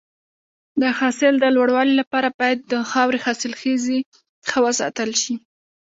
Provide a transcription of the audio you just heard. د حاصل د لوړوالي لپاره باید د خاورې حاصلخیزي ښه وساتل شي.